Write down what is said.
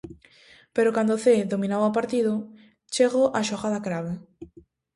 Pero cando o Cee dominaba o partido chego a xogada crave.